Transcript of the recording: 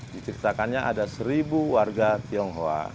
diceritakannya ada seribu warga tionghoa